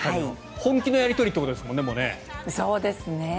本気のやり取りということですもんね。